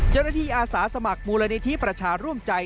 เจ้าหน้าที่อาสาสมัครมูลนิธิประชาร่วมใจ